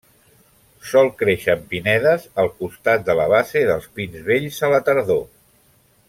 Sol créixer en pinedes al costat de la base dels pins vells a la tardor.